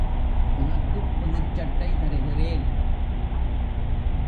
உனக்குப் புதுச்சட்டை தருகிறேன்.